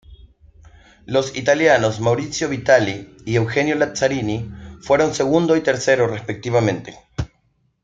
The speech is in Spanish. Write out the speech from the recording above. Los italianos Maurizio Vitali y Eugenio Lazzarini fueron segundo y tercero respectivamente.